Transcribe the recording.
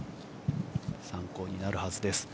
参考になるはずです。